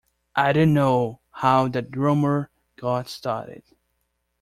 I don't know how that rumor got started.